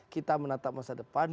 kita menatap masa depan